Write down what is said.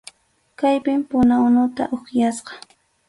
Kaypim puna unuta upyasqa.